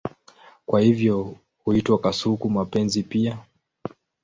Kwa hivyo huitwa kasuku-mapenzi pia.